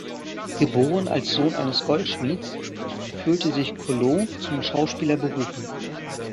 Geboren als Sohn eines Goldschmieds, fühlte sich Collot zum Schauspieler berufen.